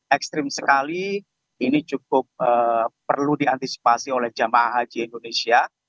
ekstrim sekali ini cukup perlu diantisipasi oleh jemaah haji indonesia